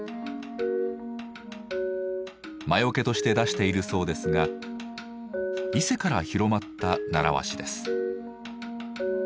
魔よけとして出しているそうですが伊勢から広まった習わしです。